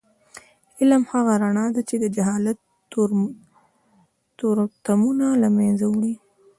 علم هغه رڼا ده چې د جهالت تورتمونه له منځه وړي.